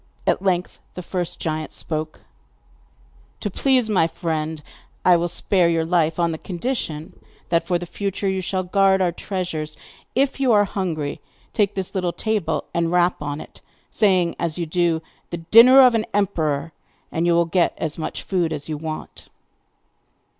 At length the first giant spoke: 'To please my friend I will spare your life on condition that, for the future, you shall guard our treasures. If you are hungry take this little table and rap on it, saying, as you do so: "The dinner of an emperor!" and you will get as much food as you want.